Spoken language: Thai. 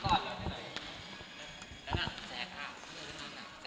แจ๊กเสร็จแล้ว